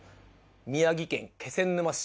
宮城県気仙沼市。